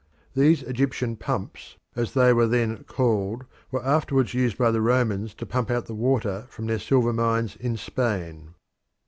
These Egyptian pumps, as they were then called, were afterwards used by the Romans to pump out the water from their silver mines in Spain.